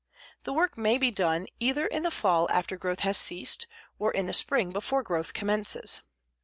The work may be done either in the fall after growth has ceased or in the spring before growth commences.